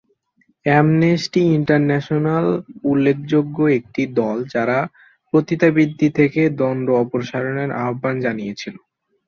Amnesty International উল্লেখযোগ্য একটি দল যারা পতিতাবৃত্তি থেকে দণ্ড অপসারণের আহ্বান জানিয়েছিল।